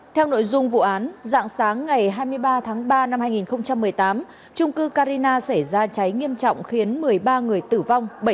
theo nội dung vụ án dạng sáng ngày hai mươi ba tháng ba năm hai nghìn một mươi tám trung cư carina xảy ra cháy nghiêm trọng khiến một mươi ba người tử vong